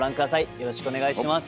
よろしくお願いします。